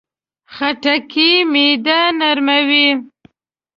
خټکی معده نرموي.